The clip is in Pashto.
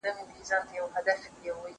زه پاکوالی نه کوم!.